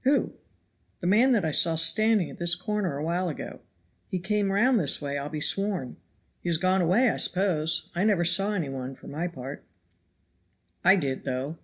"Who?" "The man that I saw standing at this corner a while ago. He came round this way I'll be sworn." "He is gone away, I suppose. I never saw any one, for my part." "I did, though.